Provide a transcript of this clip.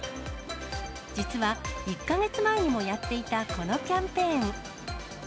実は、１か月前にもやっていたこのキャンペーン。